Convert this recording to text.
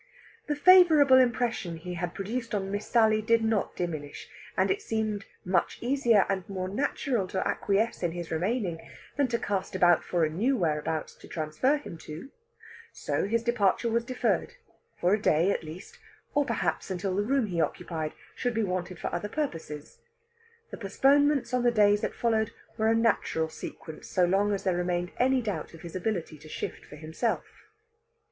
The favourable impression he had produced on Miss Sally did not diminish, and it seemed much easier and more natural to acquiesce in his remaining than to cast about for a new whereabouts to transfer him to. So his departure was deferred for a day, at least, or perhaps until the room he occupied should be wanted for other purposes. The postponements on the days that followed were a natural sequence so long as there remained any doubt of his ability to shift for himself.